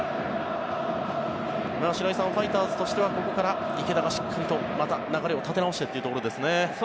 白井さん、ファイターズとしてはここから池田がしっかりとまた流れを立て直してというところですよね。